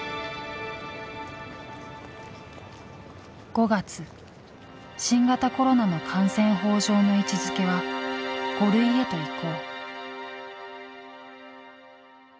５月新型コロナの感染法上の位置づけは５類へと移行。